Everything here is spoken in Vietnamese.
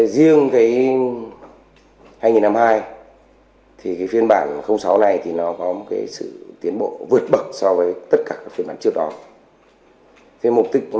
riêng cái năm hai nghìn hai thì phiên bản sáu này thì nó có một cái sự tiến bộ vượt bậc so với tất cả các phiên bản trước đó